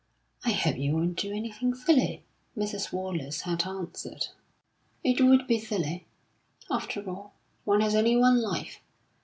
"I hope you won't do anything silly," Mrs. Wallace had answered. It would be silly. After all, one has only one life.